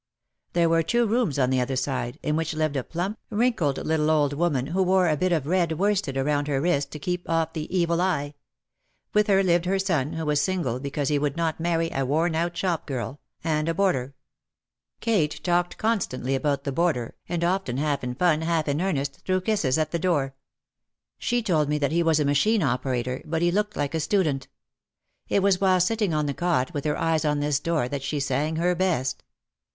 There were two rooms on the other side, in which lived a plump, wrinkled little old woman who wore a bit of red worsted around her wrist to keep off the "Evil Eye." With her lived her son, who was single because he would not marry "a worn out shop girl," and a boarder. Kate talked constantly about the boarder and 92 OUT OF THE SHADOW often half in fun, half in earnest, threw kisses at the door. She told me that he was a machine operator "but he looked like a student." It was while sitting on the cot, with her eyes on this door, that she sang her best.